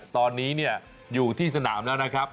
ตอนนี้อยู่ที่สนามแล้วนะครับ